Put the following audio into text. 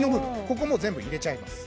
ここも全部入れちゃいます